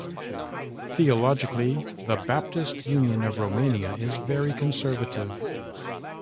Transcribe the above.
Theologically, the Baptist Union of Romania is very conservative.